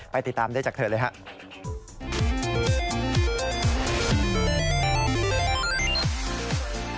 ติดตามได้จากเธอเลยครับ